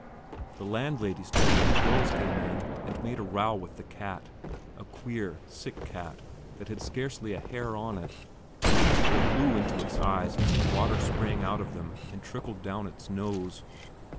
The landlady's two little girls came in and made a row with the cat a queer, sick cat that had scarcely a hair on it; they blew into its eyes until water sprang out of them and trickled down its nose.